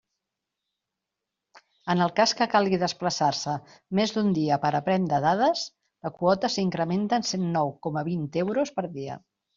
En el cas que calgui desplaçar-se més d'un dia per a prendre dades, la quota s'incrementa en cent nou coma vint euros per dia.